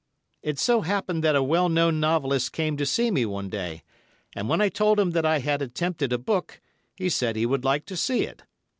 It so happened that a well known novelist came to see me one day, and when I told him that I had attempted a book, he said he would like to see it.